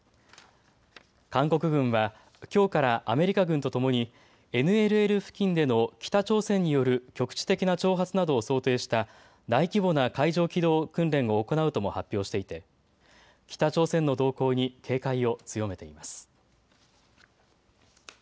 韓国軍はきょうからアメリカ軍とともにＮＬＬ付近での北朝鮮による局地的な挑発などを想定した大規模な海上機動訓練を行うとも発表していて北朝鮮の動向に警戒を強めています。